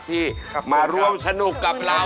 ที่มาร่วมสนุกกับเรา